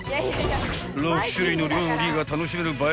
［６種類の料理が楽しめる